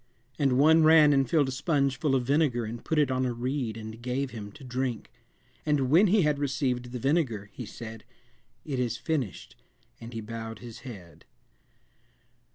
And one ran and filled a sponge full of vinegar and put it on a reed and gave him to drink. And when he had received the vinegar, he said, It is finished, and he bowed his head."